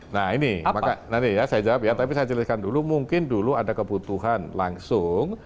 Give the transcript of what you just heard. nah ini saya jawab ya tapi saya jelaskan dulu mungkin dulu ada kebutuhan langsung